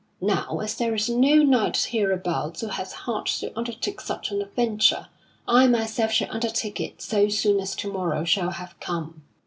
Now as there is no knight hereabouts who hath heart to undertake such an adventure, I myself shall undertake it so soon as to morrow shall have come."